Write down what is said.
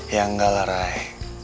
ya enggak lah ray